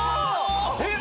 えっ？